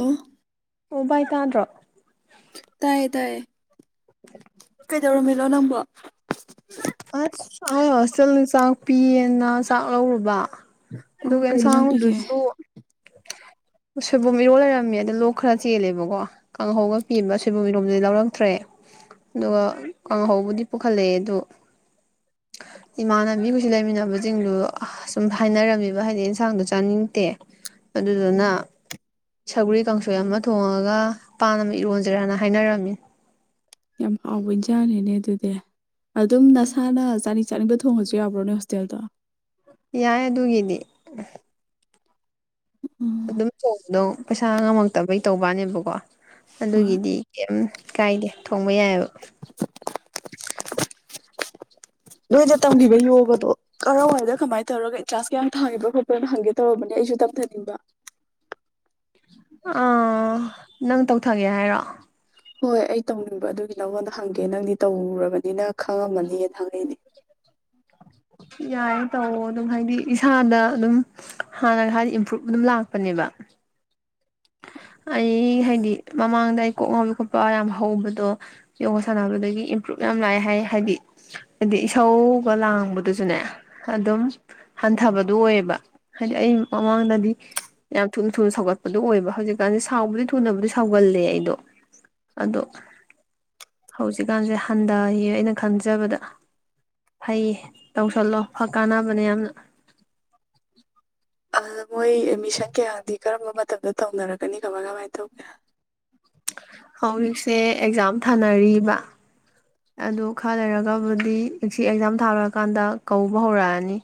ꯑꯣ ꯑꯣ ꯚꯥꯏ ꯇꯥꯗ꯭ꯔꯣ ꯇꯥꯏꯌꯦ ꯇꯥꯏꯌꯦ ꯀꯩꯗꯧꯔꯝꯃꯤꯅꯣ ꯅꯪꯕꯣ ꯑꯁ ꯑꯩ ꯍꯣꯁꯇꯦꯜꯗ ꯆꯥꯛ ꯄꯤꯌꯦꯅ ꯆꯥꯛ ꯂꯧꯔꯨꯕ ꯑꯣ ꯗꯨꯒ ꯀꯩ ꯏꯟꯖꯥꯡ ꯄꯤꯒꯦ ꯏꯟꯁꯥꯡꯗꯨꯖꯨ [inaudible] ꯁꯣꯏꯕꯨꯝ ꯏꯔꯣꯜ ꯂꯩꯔꯝꯃꯦ ꯑꯗ ꯂꯣꯛ ꯈꯔ ꯆꯦꯜꯂꯦꯕꯀꯣ ꯀꯥꯡꯍꯧꯒ ꯄꯤꯕ ꯁꯣꯏꯕꯨꯝ ꯏꯔꯣꯝꯕꯗꯨꯗꯤ ꯂꯧꯔꯛꯇ꯭ꯔꯦ ꯑꯗꯨꯒ ꯀꯥꯡꯍꯧꯕꯨꯗꯤ ꯄꯨꯈꯠꯂꯦꯑꯦ ꯇꯨ [inaudible] ꯏꯃꯥꯟꯅꯕꯤ ꯈꯣꯏ ꯁꯤ ꯂꯩꯃꯤꯟꯅꯕꯖꯤꯡꯗꯨ ꯁꯨꯝ ꯍꯥꯏꯅꯔꯝꯃꯤꯕ ꯍꯥꯏꯗꯤ ꯏꯟꯁꯥꯡꯗꯣ ꯆꯥꯅꯤꯡꯇꯦ ꯑꯗꯨꯗꯨꯅ ꯁꯧꯒ꯭ꯔꯤ ꯀꯥꯡꯁꯣꯏ ꯑꯃ ꯊꯣꯡꯉꯒ ꯄꯥꯟ ꯑꯃ ꯏꯔꯣꯟꯖꯤꯔꯅ ꯍꯥꯏꯅꯔꯝꯃꯤ ꯌꯥꯝ ꯍꯥꯎꯕ ꯏꯟꯖꯥꯡꯅꯤꯅꯦ ꯑꯗꯨꯗꯤ ꯑꯗꯨꯝ ꯅꯁꯥꯅ ꯆꯥꯅꯤꯡ ꯆꯥꯅꯤꯡꯕ ꯊꯣꯡꯉꯁꯨ ꯌꯥꯕ꯭ꯔꯣ ꯅꯣꯏ ꯍꯣꯁꯇꯦꯜꯗꯣ ꯌꯥꯏ ꯑꯗꯨꯒꯤꯗꯤ ꯎꯝ ꯑꯗꯨꯝ ꯇꯧꯕꯗꯣ ꯄꯩꯁꯥ ꯉꯝꯃꯛꯇꯕꯩ ꯇꯧꯕꯋꯥꯅꯦꯕꯀꯣ ꯍꯣꯏ ꯑꯗꯨꯒꯤꯗꯤ ꯀꯩꯝ ꯀꯥꯏꯗꯦ ꯊꯣꯡꯕ ꯌꯥꯏꯑꯕ ꯅꯣꯏꯗ ꯇꯝꯒꯤꯕ ꯌꯣꯒꯗꯣ ꯀꯔꯥꯋꯥꯏꯗ ꯀꯃꯥꯏ ꯇꯧꯔꯒ ꯑꯦꯟꯇ꯭ꯔꯥꯁꯀ ꯌꯥꯝ ꯊꯥꯒꯣꯕ꯭ꯔꯥ ꯈꯣꯠꯄ꯭ꯔꯥꯅ ꯍꯪꯒꯦ ꯇꯧꯔꯝꯕꯅꯦ ꯑꯩꯁꯨ ꯇꯝꯊꯅꯤꯡꯕ ꯑꯥ ꯅꯪ ꯇꯧꯊꯒꯦ ꯍꯥꯏꯔꯣ ꯍꯣꯏ ꯑꯩ ꯇꯧꯅꯤꯡꯕ ꯑꯗꯨꯒꯤ ꯅꯪꯉꯣꯟꯗ ꯍꯪꯒꯦ ꯅꯪꯗꯤ ꯇꯧꯔꯨꯔꯕꯅꯤꯅ ꯈꯪꯉꯝꯃꯅꯤꯅ ꯍꯪꯉꯛꯏꯅꯦ ꯌꯥꯏꯌꯦ ꯇꯧꯑꯣ ꯑꯗꯨꯝ ꯍꯥꯏꯗꯤ ꯏꯁꯥꯅ ꯑꯗꯨꯝ ꯍꯥꯟꯅꯒ ꯍꯥꯏꯗꯤ ꯏꯝꯄ꯭ꯔꯨꯚ ꯑꯗꯨꯝ ꯂꯥꯛꯄꯅꯦꯕ ꯑꯩ ꯍꯥꯏꯗꯤ ꯃꯃꯥꯡꯗ ꯑꯩ ꯀꯣꯛ ꯉꯥꯎꯕꯤ ꯈꯣꯠꯄ ꯌꯥꯝ ꯍꯧꯕꯗꯣ ꯌꯣꯒꯥ ꯁꯥꯟꯅꯕꯗꯒꯤ ꯏꯝꯄ꯭ꯔꯨꯞꯚ ꯌꯥꯝ ꯂꯥꯛꯑꯦ ꯍꯥꯏ ꯍꯥꯏꯗꯤ ꯍꯥꯏꯗꯤ ꯏꯁꯧꯒ ꯂꯥꯡꯕꯗꯨꯁꯨꯅꯦ ꯑꯗꯨꯝ ꯍꯟꯊꯕꯗꯨ ꯑꯣꯏꯌꯦꯕ ꯍꯥꯏꯗꯤ ꯑꯩ ꯃꯃꯥꯡꯗꯗꯤ ꯌꯥꯝ ꯊꯨꯅ ꯊꯨꯅ ꯁꯧꯒꯠꯄꯗꯨ ꯑꯣꯏꯕ ꯍꯧꯖꯤꯛ ꯀꯥꯟꯖꯤ ꯁꯥꯎꯕꯗꯤ ꯊꯨꯅꯕꯨꯗꯤ ꯁꯥꯎꯒꯜꯂꯦ ꯑꯩꯗꯣ ꯑꯗꯣ ꯍꯧꯖꯤꯛꯀꯥꯟꯖꯦ ꯍꯟꯗꯌꯦ ꯑꯩꯅ ꯈꯟꯖꯕꯗ ꯐꯩꯌꯦ ꯇꯧꯁꯜꯂꯣ ꯐꯛ ꯀꯥꯟꯅꯕꯅꯦ ꯌꯥꯝꯅ ꯑꯗꯨꯗ ꯃꯣꯏ ꯑꯦꯠꯃꯤꯁꯟ ꯀꯌꯥꯗꯤ ꯀꯔꯝꯕ ꯃꯇꯝꯗ ꯇꯧꯅꯔꯛꯀꯅꯤ ꯀꯃꯥꯏ ꯀꯃꯥꯏ ꯇꯧꯒꯦ ꯍꯧꯖꯤꯛꯁꯦ ꯑꯦꯛꯖꯥꯝ ꯊꯥꯅꯔꯤꯕ ꯑꯗꯨ ꯈꯔ ꯂꯩꯔꯒꯕꯨꯗꯤ ꯑꯁꯤ ꯑꯦꯛꯖꯥꯝ ꯊꯥ ꯂꯣꯏꯀꯥꯟꯗ ꯀꯧꯕ ꯍꯧꯔꯛꯑꯅꯤ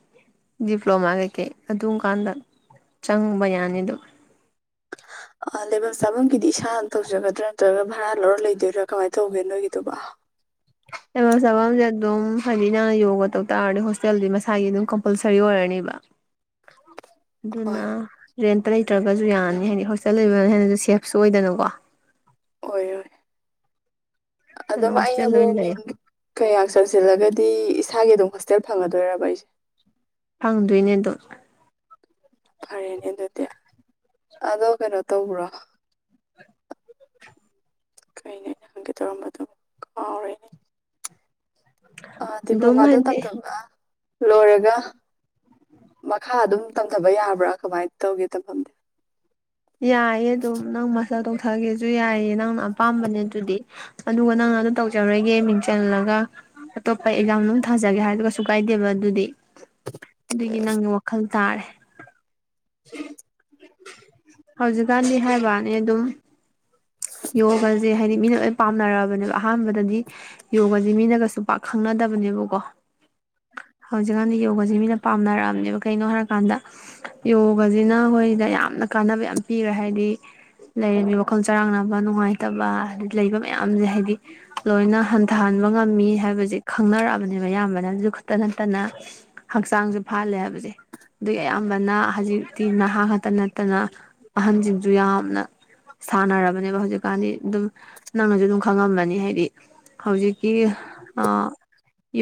ꯗꯤꯄ꯭ꯂꯣꯃꯥ ꯀꯩꯀꯩ ꯑꯗꯨꯝ ꯀꯥꯟꯗ ꯆꯪꯕ ꯌꯥꯅꯤ ꯗꯨꯝ ꯑꯥ ꯂꯩꯕꯝ ꯆꯥꯕꯝꯒꯤꯗꯤ ꯏꯁꯥꯅ ꯇꯧꯖꯒꯗ꯭ꯔꯥ ꯅꯠꯇ꯭ꯔꯒ ꯚꯔꯥ ꯂꯧꯔ ꯂꯩꯗꯣꯏꯔ ꯀꯃꯥꯏ ꯇꯧꯒꯦ ꯅꯣꯏꯒꯤꯗꯨꯕꯣ ꯂꯩꯚꯝ ꯆꯥꯚꯝꯁꯦ ꯑꯗꯨꯝ ꯍꯥꯏꯗꯤ ꯅꯪꯅ ꯌꯣꯒ ꯇꯧ ꯇꯥꯔꯗꯤ ꯍꯣꯁꯇꯦꯜꯗꯤ ꯃꯁꯥꯒꯤ ꯑꯗꯨꯝ ꯀꯝꯄꯜꯁꯔꯤ ꯑꯣꯏꯔꯅꯤꯕ [inaudible] ꯑꯗꯨꯅ ꯍꯣꯏ ꯔꯦꯟꯇ ꯂꯩꯇ꯭ꯔꯒꯁꯨ ꯌꯥꯅꯤ ꯍꯥꯏꯗꯤ ꯍꯣꯁꯇꯦꯜ ꯂꯩꯕꯅ ꯍꯦꯟꯅ ꯁꯦꯞꯁꯨ ꯑꯣꯏꯗꯅꯀꯣ ꯑꯣꯏꯔꯣꯏ ꯑꯗꯨꯅ ꯑꯗꯨꯝ ꯍꯣꯁꯇꯦꯜꯗ ꯑꯩꯅꯕꯨ ꯑꯣꯏꯅ ꯃꯤꯡ ꯂꯩꯌꯣ ꯀꯌꯥ ꯆꯪꯁꯤꯜꯂꯒꯗꯤ ꯏꯁꯥꯒꯤ ꯑꯗꯨꯝ ꯍꯣꯁꯇꯦꯜ ꯐꯪꯒꯗꯣꯏꯔꯕ ꯑꯩꯁꯦ ꯐꯪꯗꯣꯏꯅꯦ ꯑꯗꯨꯝ ꯐꯔꯦꯅꯦ ꯑꯗꯨꯗꯤ ꯑꯗꯣ ꯀꯩꯅꯣ ꯇꯧꯕ꯭ꯔꯣ ꯀꯩꯅꯦ [unintelligible] ꯇꯧꯔꯝꯕꯗꯣ ꯑꯥ ꯑꯗꯨꯝ ꯗꯤꯄ꯭ꯂꯣꯃꯥꯗꯣ ꯍꯥꯏꯗꯤ ꯇꯝꯊ ꯑꯥ ꯂꯣꯏꯔꯒ ꯃꯈꯥ ꯑꯗꯨꯝ ꯇꯝꯊꯕ ꯌꯥꯕ꯭ꯔꯥ ꯀꯃꯥꯏ ꯇꯧꯒꯦ ꯇꯝꯐꯝꯗꯤ ꯌꯥꯏꯌꯦ ꯑꯗꯨꯝ ꯅꯪ ꯃꯥꯁꯇꯔ ꯇꯧꯊꯒꯦꯁꯨ ꯌꯥꯏꯌꯦ ꯅꯪꯅ ꯑꯄꯥꯝꯕꯅꯦ ꯑꯗꯨꯗꯤ ꯑꯗꯨꯒ ꯅꯪꯅ ꯑꯗꯨ ꯇꯧꯖꯔꯣꯏꯒꯦ ꯃꯤꯡ ꯆꯜꯂꯒ ꯑꯇꯣꯞꯄ ꯑꯦꯛꯖꯥꯝ ꯅꯨꯡ ꯊꯥꯖꯒꯦ ꯍꯥꯏꯔꯖꯨ ꯀꯩꯁꯨ ꯀꯥꯏꯗꯦꯕ ꯑꯗꯨꯗꯤ ꯑꯗꯨꯒꯤ ꯅꯪ ꯋꯥꯈꯜ ꯇꯥꯔꯦ ꯍꯧꯖꯤꯛꯀꯥꯟꯗꯤ ꯍꯥꯏꯕꯋꯥꯅꯦ ꯑꯗꯨꯝ ꯌꯣꯒꯖꯦ ꯍꯥꯏꯗꯤ ꯃꯤꯅ ꯂꯣꯏ ꯄꯥꯝꯅꯔꯕꯅꯦꯕ ꯑꯍꯥꯟꯕꯗꯗꯤ ꯌꯣꯒꯖꯦ ꯃꯤꯅꯒꯁꯨ ꯄꯥꯛ ꯈꯪꯅꯗꯕꯅꯦꯕꯀꯣ ꯍꯧꯖꯤꯛꯀꯥꯟꯗꯤ ꯌꯣꯒꯖꯦ ꯃꯤꯅ ꯄꯥꯝꯅꯔꯑꯝꯅꯦꯕ ꯀꯩꯅꯣ ꯍꯥꯏꯔꯀꯥꯟꯗ ꯌꯣꯒꯖꯤꯅ ꯑꯈꯣꯏꯗ ꯌꯥꯝꯅ ꯀꯥꯟꯅꯕ ꯌꯥꯝ ꯄꯤꯒ꯭ꯔꯦ ꯍꯥꯏꯗꯤ ꯂꯩꯔꯝꯃꯤꯕ ꯋꯥꯈꯜ ꯆꯔꯥꯡꯅꯕ ꯅꯨꯡꯉꯥꯢꯇꯕ ꯂꯩꯕ ꯃꯌꯥꯝꯖꯦ ꯍꯥꯢꯗꯤ ꯂꯣꯢꯅ ꯍꯟꯊꯍꯟꯕ ꯉꯝꯃꯤ ꯍꯥꯢꯕꯖꯦ ꯈꯪꯅꯔꯛꯑꯕꯅꯦꯕ ꯑꯌꯥꯝꯕꯅ ꯑꯗꯨ ꯈꯛꯇ ꯅꯠꯇꯅ ꯍꯛꯆꯥꯡꯖꯨ ꯐꯍꯜꯂꯦ ꯍꯥꯢꯕꯖꯦ ꯑꯗꯨꯒꯤ ꯑꯌꯥꯝꯕꯅ ꯍꯧꯖꯤꯛꯇꯤ ꯅꯍꯥ ꯈꯛꯇ ꯅꯠꯇꯅ ꯑꯍꯟꯖꯤꯡꯖꯨ ꯌꯥꯝꯅ ꯁꯥꯟꯅꯔꯕꯅꯦꯕ ꯍꯧꯖꯤꯛꯀꯥꯟꯗꯤ ꯑꯗꯨꯝ ꯅꯪꯅꯖꯨ ꯑꯗꯨꯝ ꯈꯪꯉꯝꯃꯅꯤ ꯍꯥꯢꯗꯤ ꯍꯧꯖꯤꯛꯀꯤ ꯑꯥ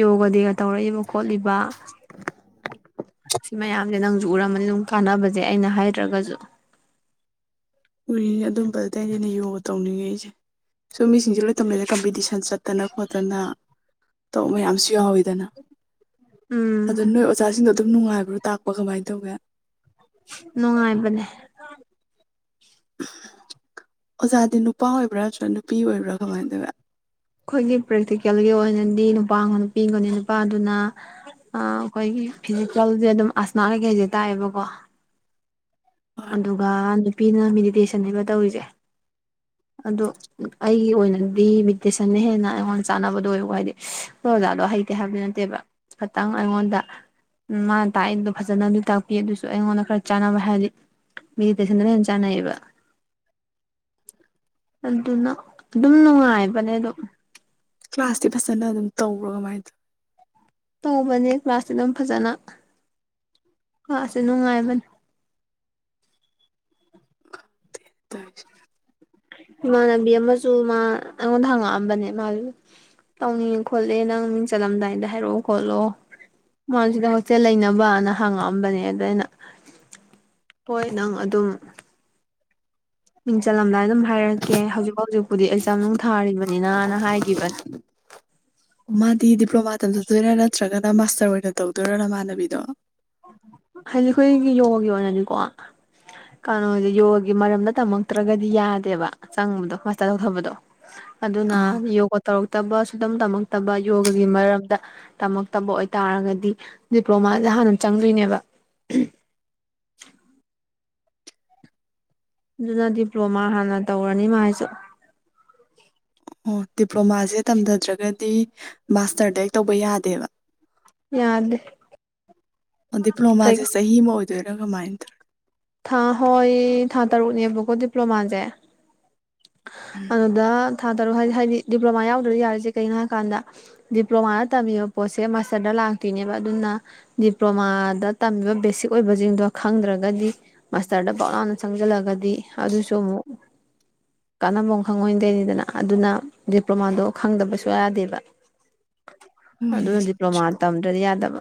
ꯌꯣꯒ ꯗꯦꯒ ꯇꯧꯔꯛꯏꯕ ꯈꯣꯠꯂꯤ ꯕ ꯁꯤ ꯃꯌꯥꯝꯖꯦ ꯅꯪꯖꯦ ꯎꯔꯝꯃꯅꯤ ꯑꯗꯨꯝ ꯀꯥꯟꯅꯕꯖꯦ ꯑꯩꯅ ꯍꯥꯢꯗ꯭ꯔꯒꯖꯨ ꯎꯔꯤꯅꯤ ꯑꯗꯨꯝꯕꯗꯩꯅꯤꯅꯦ ꯌꯣꯒ ꯇꯧꯅꯤꯡꯉꯤꯁꯦ ꯁꯨꯝ ꯃꯤꯁꯤꯡꯁꯦ ꯂꯣꯢ ꯇꯝꯅꯔꯦ ꯀꯝꯄꯤꯇꯤꯁꯟ ꯆꯠꯇꯅ ꯈꯣꯠꯇꯅ ꯇꯣꯞ ꯃꯌꯥꯝꯁꯨ ꯌꯥꯎꯋꯤꯗꯅ ꯎꯝ ꯑꯗꯣ ꯅꯣꯢ ꯑꯣꯖꯥꯁꯤꯡꯗꯣ ꯑꯗꯨꯝ ꯅꯨꯡꯉꯥꯢꯕ꯭ꯔꯣ ꯇꯥꯛꯄ ꯀꯃꯥꯢ ꯇꯧꯒꯦ ꯅꯨꯡꯉꯥꯢꯕꯅꯦ ꯑꯣꯖꯥꯗꯤ ꯅꯨꯄꯥ ꯑꯣꯢꯕ꯭ꯔꯥ ꯅꯠꯇ꯭ꯔꯥ ꯅꯨꯄꯤ ꯑꯣꯢꯕ꯭ꯔꯥ ꯀꯃꯥꯢ ꯇꯧꯋꯤ ꯈꯣꯢꯒꯤ ꯄ꯭ꯔꯦꯛꯇꯤꯀꯦꯜꯒꯤ ꯑꯣꯢꯅꯗꯤ ꯅꯨꯄꯥꯝꯒ ꯅꯨꯄꯤꯝꯒꯅꯦ ꯅꯨꯄꯥꯗꯨꯅ ꯑ ꯑꯈꯣꯢꯒꯤ ꯐꯤꯖꯤꯀꯦꯜꯖꯦ ꯑꯗꯨꯝ ꯑꯁꯃꯥ ꯀꯩꯀꯩꯖꯦ ꯇꯥꯢꯑꯦꯕꯀꯣ ꯍꯣꯏ ꯑꯗꯨꯒ ꯅꯨꯄꯤꯅ ꯃꯦꯗꯤꯇꯦꯁꯟꯅꯦꯕ ꯇꯧꯔꯤꯖꯦ ꯑꯗꯣ ꯑꯩꯒꯤ ꯑꯣꯏꯅꯗꯤ ꯃꯤꯗꯤꯇꯦꯁꯟꯅ ꯑꯩꯒꯤ ꯑꯣꯢꯅꯗꯤ [unintelligible] ꯍꯦꯟꯅ ꯑꯩꯉꯣꯟꯗ ꯆꯥꯟꯅꯕꯗꯣ ꯑꯣꯢꯍꯧꯕ ꯍꯥꯢꯗꯤ ꯏꯁ ꯈꯣꯢ ꯑꯣꯖꯥꯗꯣ ꯍꯩꯇꯦ ꯍꯥꯢꯕꯗꯤ ꯅꯠꯇꯦꯕ ꯈꯇꯪ ꯑꯩꯉꯣꯟꯗ ꯎꯝ ꯃꯥꯅ ꯇꯥꯛꯏꯗꯣ ꯐꯖꯅꯗꯤ ꯇꯥꯛꯄꯤ ꯑꯗꯨꯁꯨ ꯑꯩꯉꯣꯟꯗ ꯈꯔ ꯆꯥꯟꯅꯕ ꯍꯥꯢꯔꯗꯤ ꯃꯦꯗꯤꯇꯦꯁꯟꯗꯅ ꯍꯦꯟ ꯆꯥꯟꯅꯩꯌꯦꯕ ꯑꯗꯨꯅ ꯑꯗꯨꯝ ꯅꯨꯡꯉꯥꯢꯕꯅꯦ ꯑꯗꯣ ꯀ꯭ꯂꯥꯁꯇꯤ ꯐꯖꯅ ꯑꯗꯨꯝ ꯇꯧꯕ꯭ꯔꯣ ꯀꯃꯥꯢ ꯇꯧ ꯇꯧꯕꯅꯦ ꯀ꯭ꯂꯥꯁꯇꯤ ꯑꯗꯨꯝ ꯐꯖꯅ ꯀ꯭ꯂꯥꯁꯁꯦ ꯅꯨꯡꯉꯥꯢꯕꯅꯦ [unintelligible] ꯏꯃꯥꯟꯅꯕꯤ ꯑꯃꯁꯨ ꯃꯥ ꯑꯩꯉꯣꯟꯗ ꯍꯪꯉꯛꯑꯝꯕꯅꯦ ꯃꯥꯖꯨ ꯇꯧꯅꯤꯡꯉꯦ ꯈꯣꯠꯂꯦ ꯅꯪ ꯃꯤꯡ ꯆꯠꯂꯝꯗꯥꯢꯗ ꯍꯥꯏꯔꯛꯑꯣ ꯈꯣꯠꯂꯣ ꯃꯥ ꯁꯤꯗ ꯍꯣꯁꯇꯦꯜ ꯂꯩꯅꯕꯅ ꯍꯥꯡꯉꯛꯑꯝꯕꯅꯦ ꯑꯗ ꯑꯩꯅ ꯍꯣꯢ ꯅꯪ ꯑꯗꯨꯝ ꯃꯤꯡ ꯆꯜꯂꯝꯗꯥꯢ ꯑꯗꯨꯝ ꯍꯥꯢꯔꯛꯀꯦ ꯍꯧꯖꯤꯛ ꯍꯧꯖꯤꯛꯄꯨꯗꯤ ꯑꯦꯛꯖꯥꯝꯅꯨꯡ ꯊꯥꯔꯤꯕꯅꯤꯅꯅ ꯍꯥꯢꯒꯤꯕꯅꯤ ꯃꯥꯗꯤ ꯗꯤꯄ꯭ꯂꯣꯃꯥ ꯇꯝꯙꯗꯣꯢꯔꯥ ꯅꯠꯇ꯭ꯔꯒꯅ ꯃꯥꯁꯇꯔ ꯑꯣꯢꯅ ꯇꯧꯗꯣꯢꯔꯣ ꯅꯃꯥꯟꯅꯕꯤꯗꯣ ꯍꯥꯢꯗꯤ ꯑꯩꯈꯣꯢꯒꯤ ꯌꯣꯒꯒꯤ ꯑꯣꯢꯅꯅꯤꯀꯣ ꯀꯩꯅꯣꯖꯦ ꯌꯣꯒꯒꯤ ꯃꯔꯝꯗ ꯇꯝꯃꯛꯇ꯭ꯔꯒꯗꯤ ꯌꯥꯗꯦꯕ ꯆꯪꯕꯗꯣ ꯃꯥꯁꯇꯔ ꯇꯧꯊꯕꯗꯣ ꯑꯗꯨꯅ ꯑꯥ ꯌꯣꯒ ꯇꯧꯔꯛꯇꯕ ꯁꯨꯇꯝ ꯇꯝꯃꯛꯇꯕ ꯌꯣꯒꯒꯤ ꯃꯔꯛꯇ ꯇꯝꯃꯛꯇꯕ ꯑꯣꯢꯇꯥꯔꯒꯗꯤ ꯗꯤꯄ꯭ꯂꯣꯃꯥꯖꯦ ꯍꯥꯟꯅ ꯆꯪꯗꯣꯢꯅꯦꯕ ꯑꯗꯨꯅ ꯗꯤꯄ꯭ꯂꯣꯃꯥ ꯍꯥꯟꯅ ꯇꯧꯔꯅꯤ ꯃꯥꯢꯖꯨ ꯑꯣ ꯗꯤꯄ꯭ꯂꯣꯃꯥꯖꯦ ꯇꯝꯙꯗ꯭ꯔꯒꯗꯤ ꯃꯥꯁꯇꯔꯗꯩ ꯇꯧꯕ ꯌꯥꯗꯦꯕ ꯌꯥꯗꯦ ꯑ ꯀꯩ ꯗꯤꯄ꯭ꯂꯣꯃꯥꯖꯦ ꯆꯍꯤ ꯑꯃ ꯑꯣꯢꯗꯣꯢꯔ ꯀꯃꯥꯢ ꯇꯧ ꯊꯥ ꯍꯣꯢ ꯊꯥ ꯇꯔꯨꯛꯅꯦꯕꯀꯣ ꯗꯤꯄ꯭ꯂꯣꯃꯥꯖꯦ ꯇꯧꯔ ꯎꯝ ꯑꯗꯨꯗ ꯊꯥ ꯇꯔꯨꯛ ꯍꯥꯢꯗꯤ ꯍꯥꯢꯗꯤ ꯗꯤꯄ꯭ꯂꯣꯃꯥ ꯌꯥꯎꯗ꯭ꯔꯗꯤ ꯌꯥꯗ꯭ꯔꯤꯖꯦ ꯀꯩꯒꯤꯅꯣ ꯍꯥꯢ ꯀꯥꯟꯗ ꯗꯤꯄ꯭ꯂꯣꯃꯥꯗ ꯇꯝꯃꯤꯕ ꯄꯣꯠꯁꯦ ꯃꯥꯁꯇꯔꯗ ꯂꯥꯛꯇꯣꯢꯅꯦꯕ ꯑꯗꯨꯅ ꯗꯤꯄ꯭ꯂꯣꯃꯥꯗ ꯇꯝꯃꯤꯕ ꯕꯦꯁꯤꯛ ꯑꯣꯢꯕꯖꯤꯡꯗꯣ ꯈꯪꯗ꯭ꯔꯒꯗꯤ ꯃꯥꯁꯇꯔꯗ ꯕꯛ ꯂꯥꯎꯅ ꯆꯪꯁꯤꯜꯂꯒꯗꯤ ꯑꯗꯨꯁꯨ ꯑꯃꯨꯛ ꯀꯥꯟꯅꯕꯝ ꯈꯪꯉꯣꯢꯗꯣꯢꯅꯤꯗꯅ ꯑꯗꯨꯅ ꯗꯤꯄ꯭ꯂꯣꯃꯥꯗꯣ ꯈꯪꯗꯕ ꯁꯨꯌꯥ ꯌꯥꯗꯦꯕ [inaudible] ꯑꯗꯨꯅ ꯗꯤꯄ꯭ꯂꯣꯃꯥ ꯇꯝꯗ꯭ꯔꯗꯤ ꯌꯥꯗꯕ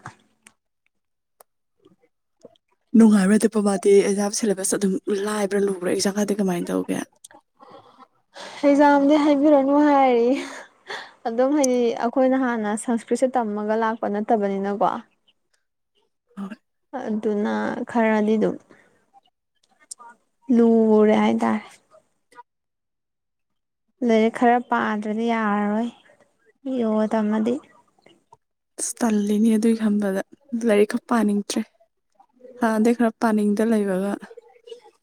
ꯅꯨꯡꯉꯥꯏꯕꯔ ꯗꯤꯄ꯭ꯂꯣꯃꯥꯗꯤ ꯑꯦꯛꯖꯥꯝ ꯁꯦꯂꯦꯕꯁ ꯑꯗꯨꯝ ꯂꯥꯏꯕ꯭ꯔꯥ ꯂꯨꯕ꯭ꯔꯥ ꯑꯦꯛꯖꯥꯝ ꯀꯗꯤ ꯀꯃꯥꯏꯟ ꯇꯧꯒꯦ ꯑꯦꯛꯖꯥꯝꯗꯤ ꯍꯥꯏꯕꯤꯔꯅꯨ ꯍꯥꯏꯔꯤꯌꯦ ꯑꯗꯨꯝ ꯍꯥꯏꯗꯤ ꯑꯈꯣꯏꯅ ꯍꯥꯟꯅ ꯁꯪꯁꯀ꯭ꯔꯤꯠꯁꯦ ꯇꯝꯃꯒ ꯂꯥꯛꯄ ꯅꯠꯇꯕꯅꯤꯅꯀꯣ ꯍꯣꯏ [unintelligible] ꯑꯗꯨꯅ ꯈꯔꯗꯤ ꯑꯗꯨꯝ ꯂꯨꯔꯦ ꯍꯥꯏꯇꯥꯔꯦ ꯂꯥꯏꯔꯤꯛ ꯈꯔ ꯄꯥꯗ꯭ꯔꯗꯤ ꯌꯥꯔꯔꯣꯏ ꯌꯣꯒ ꯇꯝꯃꯗꯤ ꯏꯁ ꯇꯜꯂꯦꯃꯤ ꯑꯗꯨꯒꯤ ꯈꯟꯕꯗ ꯂꯥꯏꯔꯤꯛꯀ ꯄꯥꯅꯤꯡꯗ꯭ꯔꯦ ꯍꯥꯟꯅꯗꯩ ꯈꯔ ꯄꯥꯅꯤꯡꯗ ꯂꯩꯕꯒ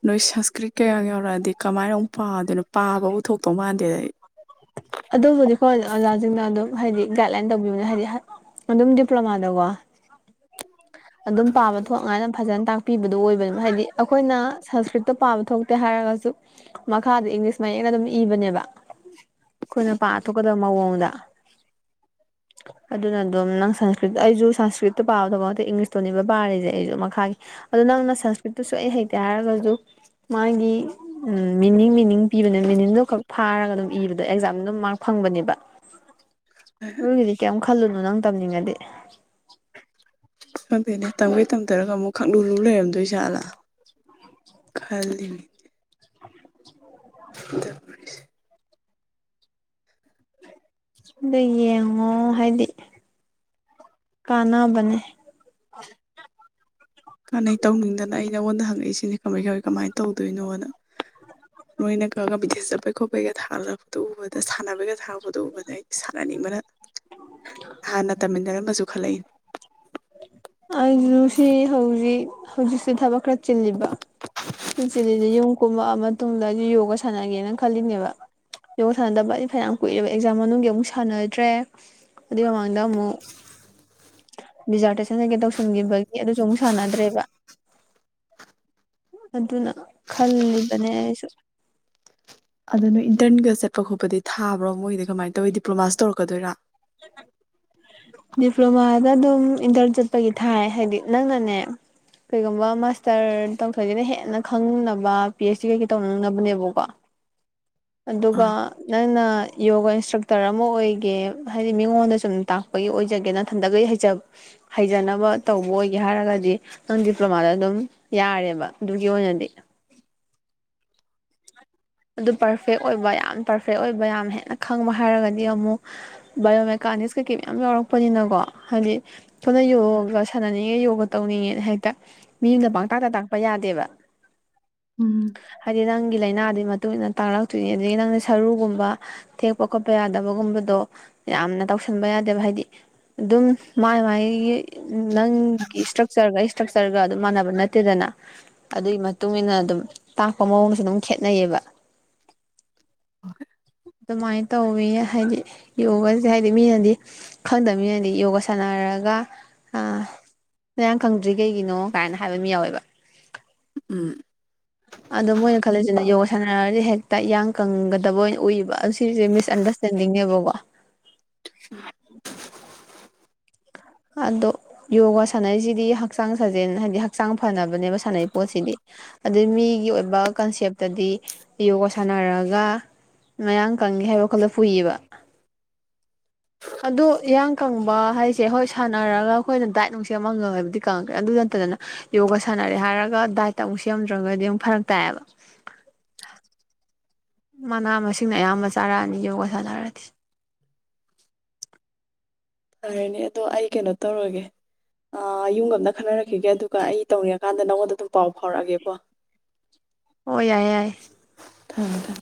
ꯅꯣꯏ ꯁꯪꯁꯀ꯭ꯔꯤꯠ ꯀꯌꯥ ꯒ ꯌꯥꯎꯔꯛꯑꯗꯤ ꯀꯃꯥꯏꯅ ꯑꯃꯨꯛ ꯄꯥꯗꯣꯏꯅꯣ ꯄꯥꯕꯕꯨ ꯊꯣꯛꯇꯧ ꯃꯥꯟꯗꯦꯗ ꯑꯩ ꯑꯗꯨꯕꯨꯗꯤ ꯈꯣꯏ ꯑꯣꯖꯥꯖꯤꯡꯅ ꯑꯗꯨꯝ ꯍꯥꯏꯗꯤ ꯒꯥꯏꯗ ꯂꯥꯏꯟ ꯇꯧꯕꯤꯕꯅꯦ ꯍꯥꯏꯗꯤ ꯍꯥꯏ ꯑꯗꯨꯝ ꯗꯤꯄ꯭ꯂꯣꯃꯥꯗꯀꯣ ꯑꯗꯨꯝ ꯄꯥꯕ ꯊꯣꯛꯉꯥꯏꯅ ꯐꯖꯅ ꯇꯥꯛ ꯄꯤꯕꯗꯨ ꯑꯣꯏꯕꯅꯤ ꯍꯥꯏꯗꯤ ꯑꯈꯣꯏꯅ ꯁꯪꯁꯀ꯭ꯔꯤꯠꯇꯣ ꯄꯥꯕ ꯊꯣꯛꯇꯦ ꯍꯥꯏꯔꯒꯁꯨ ꯃꯈꯥꯗ ꯏꯪꯂꯤꯁ ꯃꯌꯦꯛꯅ ꯑꯗꯨꯝ ꯏꯕꯅꯦꯕ ꯑꯈꯣꯏꯅ ꯄꯥꯊꯣꯛꯀꯗꯕ ꯃꯑꯣꯡꯗ [inaudible] ꯑꯗꯨꯅ ꯑꯗꯨꯝ ꯅꯪ ꯁꯪꯁꯀ꯭ꯔꯤꯠ ꯑꯩꯖꯨ ꯁꯪꯁꯀ꯭ꯔꯤꯠꯇ ꯄꯥꯕ ꯗꯨꯃꯛꯇꯤ ꯏꯪꯂꯤꯁꯇꯨꯅꯦꯕ ꯄꯥꯔꯤꯖꯦ ꯑꯩꯖꯨ ꯃꯈꯥꯒꯤ ꯑꯗꯣ ꯅꯪꯅ ꯁꯪꯁꯀ꯭ꯔꯤꯠꯇꯨꯁꯨ ꯑꯩ ꯍꯩꯇꯦ ꯍꯥꯏꯔꯒꯖꯨ ꯃꯥꯒꯤ ꯎꯝ ꯃꯤꯅꯤꯡ ꯃꯤꯅꯤꯡ ꯄꯤꯕꯅꯦ ꯃꯤꯅꯤꯡꯗꯣ ꯈꯛ ꯐꯥꯔꯒ ꯑꯗꯨꯝ ꯏꯕꯗꯣ ꯑꯦꯛꯖꯥꯝꯗ ꯗꯨꯝ ꯃꯥ꯭ꯔꯛ ꯐꯪꯕꯅꯦꯕ ꯑꯗꯨꯒꯤꯗꯤ ꯀꯩꯝ ꯈꯜꯂꯨꯅꯨ ꯅꯪ ꯇꯝꯅꯤꯡꯉꯗꯤ ꯈꯪꯗꯦꯅꯦ ꯇꯝꯒꯩ ꯇꯝꯗꯔꯒ ꯑꯃꯨꯛ ꯈꯪꯂꯨ ꯂꯨ ꯂꯩꯔꯝꯗꯣꯏ ꯖꯥꯠꯂ ꯈꯜꯂꯤꯅꯦ [unintelligible] ꯑꯗꯨ ꯌꯦꯡꯉꯣ ꯍꯥꯏꯗꯤ ꯀꯥꯟꯅꯕꯅꯦ ꯀꯥꯟꯅꯩ ꯇꯧꯅꯤꯡꯗꯅ ꯑꯩ ꯅꯉꯣꯟꯗ ꯍꯪꯉꯛꯏꯁꯤꯅꯤ ꯀꯃꯩ ꯀꯃꯩ ꯀꯃꯥꯏꯟ ꯇꯧꯗꯣꯏꯅꯣꯅ ꯅꯣꯏꯅ ꯈꯥꯒ ꯕꯤꯇꯤꯑꯦꯖ ꯆꯠꯄꯩ ꯈꯣꯠꯄꯩꯒ ꯊꯥꯒꯠ ꯂꯛꯄꯗꯣ ꯎꯕꯗ ꯁꯥꯟꯅꯕꯩꯒ ꯊꯥꯔꯛꯄꯗꯣ ꯎꯕꯗ ꯑꯩꯗꯤ ꯁꯥꯟꯅꯅꯤꯡꯕꯅ ꯍꯥꯟꯅ ꯇꯝꯃꯤꯟꯅꯔꯝꯕꯖꯨ ꯈꯜꯂꯛꯏ ꯑꯩꯖꯨ ꯁꯤ ꯍꯧꯖꯤꯛ ꯍꯧꯖꯤꯛ ꯁꯦ ꯊꯕꯛ ꯈꯔ ꯆꯤꯜꯂꯤꯕ ꯁꯤ ꯆꯤꯜꯂꯤꯖꯤ ꯌꯨꯝ ꯀꯨꯝꯃꯛꯑ ꯃꯠ ꯇꯨꯡꯗꯗꯤ ꯌꯣꯒ ꯁꯥꯟꯅꯒꯦꯅ ꯈꯜꯂꯤꯝꯅꯦꯕ ꯌꯣꯒꯥ ꯁꯥꯟꯅꯗꯕ ꯑꯩ ꯐꯅ꯭ꯌꯥꯝ ꯀꯨꯏꯔꯦꯕ ꯑꯦꯛꯖꯥꯝ ꯃꯅꯨꯡꯒꯤ ꯑꯃꯨꯛ ꯁꯥꯟꯅꯗ꯭ꯔꯦ ꯑꯗꯨꯏ ꯃꯃꯥꯡꯗ ꯑꯃꯨꯛ ꯗꯤꯖꯥꯔꯇꯦꯁꯟ ꯀꯩꯒꯩ ꯇꯧꯁꯟꯒꯤꯕꯒꯤ ꯑꯗꯨꯁꯨ ꯑꯃꯨꯛ ꯁꯥꯟꯅꯗ꯭ꯔꯦꯕ ꯑꯗꯨꯅ ꯈꯜꯂꯤꯕꯅꯦ ꯑꯩꯁꯨ ꯑꯗꯨ ꯅꯣꯏ ꯏꯟꯇ꯭ꯔꯟꯒ ꯆꯠꯄ ꯈꯣꯠꯄꯗꯤ ꯊꯥꯕ꯭ꯔꯣ ꯃꯣꯏꯗꯤ ꯀꯃꯥꯏꯟ ꯇꯧꯋꯤ ꯗꯤꯄ꯭ꯂꯣꯃꯥꯁꯨ ꯇꯧꯔꯛꯀꯗꯣꯏꯔꯥ [inaudible] ꯗꯤꯄ꯭ꯂꯣꯃꯥꯗ ꯗꯨꯝ ꯏꯟꯇ꯭ꯔꯟ ꯆꯠꯄꯒꯤ ꯊꯥꯏ ꯍꯥꯏꯗꯤ ꯅꯪꯅꯅꯦ ꯀꯩꯒꯨꯝꯕ ꯃꯥꯁꯇꯔ ꯇꯧꯊꯣꯛꯏꯁꯤꯅ ꯍꯦꯟꯅ ꯈꯪꯅꯕ ꯄꯤ ꯑꯩꯆ ꯗꯤ ꯀꯩꯀꯩ ꯇꯧꯅꯤꯡꯅꯕꯅꯦꯕꯀꯣ ꯑꯗꯨꯒ ꯑꯥ ꯅꯪꯅ ꯌꯣꯒꯥ ꯏꯟꯁꯇ꯭ꯔꯛꯇꯔ ꯑꯃ ꯑꯣꯏꯒꯦ ꯍꯥꯏꯗꯤ ꯃꯤꯉꯣꯟꯗ ꯁꯨꯝ ꯇꯥꯛꯄꯒꯤ ꯑꯣꯏꯖꯒꯦ ꯅꯊꯟꯗꯒꯩ ꯍꯩꯖꯕ ꯍꯩꯖꯅꯕ ꯇꯧꯕ ꯑꯣꯏꯒꯦ ꯍꯥꯏꯔꯒꯗꯤ ꯅꯪ ꯗꯤꯄ꯭ꯂꯣꯃꯥꯗ ꯑꯗꯨꯝ ꯌꯥꯔꯦꯕ ꯑꯗꯨꯒꯤ ꯑꯣꯏꯅꯗꯤ ꯑꯗꯨ ꯄꯔꯐꯦꯛ ꯑꯣꯏꯕ ꯌꯥꯝ ꯄꯔꯐꯦꯛ ꯑꯣꯏꯕ ꯌꯥꯝ ꯍꯦꯟꯅ ꯈꯪꯕ ꯍꯥꯏꯔꯒꯗꯤ ꯑꯃꯨꯛ ꯕꯥꯏꯑꯣꯃꯦꯀꯥꯅꯤꯛꯁ ꯀꯩꯀꯩ ꯃꯌꯥꯝ ꯂꯧꯔꯛꯄꯅꯤꯅꯀꯣ ꯍꯥꯏꯗꯤ ꯁꯣꯟꯗ ꯌꯣꯒ ꯁꯥꯟꯅꯅꯤꯡꯉꯦ ꯌꯣꯒ ꯇꯧꯅꯤꯡꯉꯦꯅ ꯍꯦꯛꯇ ꯃꯤꯗ ꯄꯥꯡꯇꯥꯛꯇ ꯇꯥꯛꯄ ꯌꯥꯗꯦꯕ ꯎꯝ ꯍꯥꯏꯗꯤ ꯅꯪꯒꯤ ꯂꯥꯏꯅꯗꯨꯢ ꯃꯇꯨꯡ ꯏꯟꯅ ꯇꯥꯛꯂꯛꯇꯣꯏꯅꯤ ꯑꯗꯒꯤ ꯅꯪꯅ ꯁꯔꯨꯒꯨꯝꯕ ꯊꯦꯛꯄ ꯈꯣꯠꯄ ꯌꯥꯗꯕꯒꯨꯝꯕꯗꯣ ꯌꯥꯝꯅ ꯇꯧꯁꯟꯕ ꯌꯥꯗꯦꯕ ꯍꯥꯏꯗꯤ ꯑꯗꯨꯝ ꯃꯥꯏ ꯃꯥꯥꯏꯒꯤ ꯅꯪꯒꯤ ꯏꯁꯇ꯭ꯔꯛ ꯆꯔꯒ ꯏꯁꯇ꯭ꯔꯛꯆꯔꯒ ꯑꯗꯨꯝ ꯃꯥꯟꯅꯕ ꯅꯠꯇꯦꯗꯅ ꯑꯗꯨꯢ ꯃꯇꯨꯡ ꯏꯟꯅ ꯑꯗꯨꯝ ꯇꯥꯛꯄ ꯃꯑꯣꯡꯁꯨ ꯑꯗꯨꯝ ꯈꯦꯠꯅꯩꯌꯦꯕ [inaudible] ꯑꯗꯨꯃꯥꯏ ꯇꯧꯋꯦ ꯍꯥꯏꯗꯤ ꯌꯣꯒꯁꯦ ꯍꯥꯏꯗꯤ ꯃꯤꯅꯗꯤ ꯈꯪꯗ ꯃꯤꯅꯗꯤ ꯌꯣꯒꯥ ꯁꯥꯟꯅꯔꯒ ꯑꯥ ꯅꯌꯥꯡ ꯀꯪꯗ꯭ꯔꯤ ꯀꯩꯒꯤꯅꯣ ꯀꯥꯏꯅ ꯍꯥꯏꯕ ꯃꯤ ꯌꯥꯎꯋꯦꯕ ꯎꯝ ꯑꯗꯣ ꯃꯣꯏꯅ ꯈꯜꯂꯤꯖꯤꯅ ꯌꯣꯒꯥ ꯁꯥꯟꯅꯔꯗꯤ ꯍꯦꯛꯇ ꯏꯌꯥꯡ ꯀꯪꯒꯗꯕꯣꯢ ꯎꯏꯕ ꯑ ꯁꯤꯁꯦ ꯃꯤꯁꯑꯟꯗ꯭ꯔꯁ ꯇꯦꯟꯗꯤꯡꯅꯦꯕ ꯀꯣ ꯑꯗꯣ ꯌꯣꯒꯥ ꯁꯥꯟꯅꯩꯖꯤꯗꯤ ꯍꯛꯆꯥꯡ ꯁꯥꯖꯦꯜ ꯍꯥꯏꯗꯤ ꯍꯛꯆꯥꯡ ꯐꯅꯕꯅꯦꯕ ꯁꯥꯟꯅꯩ ꯄꯣꯠꯁꯤꯗꯤ ꯑꯗꯨ ꯃꯤꯒꯤ ꯑꯣꯏꯕ ꯀꯟꯁꯦꯞꯇꯗꯤ ꯌꯣꯒꯥ ꯁꯥꯟꯅꯔꯒ ꯃꯌꯥꯡ ꯀꯪꯉꯦ ꯍꯥꯏꯕ ꯋꯥꯈꯜꯗ ꯄꯨꯨꯏꯌꯦꯕ ꯑꯗꯨ ꯏꯌꯥꯡ ꯀꯪꯕ ꯍꯥꯏꯁꯦ ꯍꯣꯏ ꯁꯥꯟꯅꯔꯒ ꯑꯈꯣꯏꯅ ꯗꯥꯏꯠ ꯅꯨꯡ ꯁꯦꯝꯃꯒ ꯕꯨꯗꯤ ꯀꯪꯉꯛꯀ ꯑꯗꯨ ꯅꯠꯇꯗꯅ ꯌꯣꯒꯥ ꯁꯥꯟꯅꯔꯦ ꯍꯥꯏꯔꯒ ꯗꯥꯏꯠꯇ ꯑꯃꯨꯛ ꯁꯦꯝꯗ꯭ꯔꯒꯗꯤ ꯑꯃꯨꯛ ꯐꯔꯛ ꯇꯥꯏ ꯑꯦꯕ ꯃꯅꯥ ꯃꯁꯤꯡꯅ ꯑꯌꯥꯝꯕ ꯆꯥꯔꯛꯑꯅꯤ ꯌꯣꯒꯥ ꯁꯥꯥꯟꯅꯔꯗꯤ ꯐꯔꯅꯦ ꯑꯗꯣ ꯑꯩ ꯀꯩꯅꯣ ꯇꯧꯔꯒꯦ ꯑ ꯌꯨꯝꯒ ꯑꯃꯗ ꯈꯟꯅꯔꯛꯈꯤꯒꯦ ꯑꯗꯨꯒ ꯑꯩ ꯇꯧꯅꯤꯡꯉꯀꯥꯟꯗ ꯅꯪꯉꯣꯟꯗ ꯑꯗꯨꯝ ꯄꯥꯎ ꯐꯥꯎꯔꯛꯑꯒꯦꯀꯣ [inaudible] ꯑꯣꯏ ꯌꯥꯏ ꯌꯥꯏ ꯊꯝꯃꯦ ꯊꯝꯃꯦ